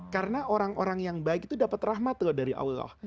karena orang orang yang baik itu dapat rahmat loh dari allah